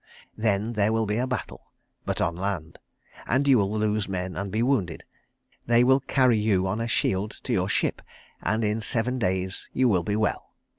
Then there will be a battle but on land; and you will lose men, and be wounded. They will carry you on a shield to your ship, and in seven days you will be well.